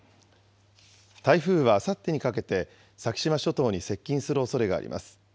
台風はあさってにかけて先島諸島に接近するおそれがあります。